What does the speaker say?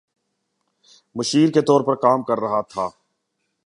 مشیر کے طور پر کام کر رہا تھا